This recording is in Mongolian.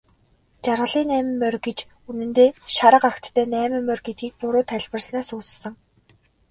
Жаргалын найман морь гэж үнэндээ шарга агттай найман морь гэдгийг буруу тайлбарласнаас үүссэн.